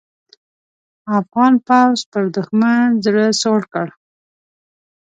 افغان پوځ پر دوښمن زړه سوړ کړ.